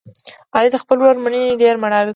علي د خپل ورور مړینې ډېر مړاوی کړ.